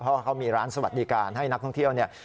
เพราะเขามีร้านสวัสดิการให้นักท่องเที่ยวเนี่ย